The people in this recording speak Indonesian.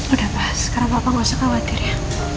udah pas sekarang papa gak usah khawatir ya